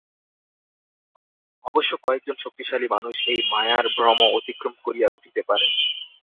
অবশ্য কয়েকজন শক্তিশালী মানুষ এই মায়ার ভ্রম অতিক্রম করিয়া উঠিতে পারেন।